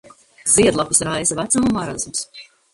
Ziedlapas raisa vecuma marasms.